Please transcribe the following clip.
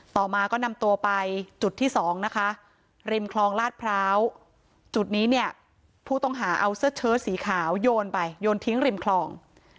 ต่อมาก็นำตัวไปจุดที่สองนะคะริมคลองลาดพร้าวจุดนี้เนี่ยผู้ต้องหาเอาเสื้อเชิดสีขาวโยนไปโยนทิ้งริมคลอง